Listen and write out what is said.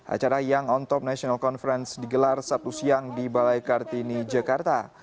acara young on top national conference digelar sabtu siang di balai kartini jakarta